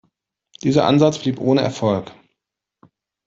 Dieser Ansatz blieb ohne Erfolg.